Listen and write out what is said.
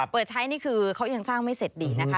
เปิดใช้นี่คือเขายังสร้างไม่เสร็จดีนะคะ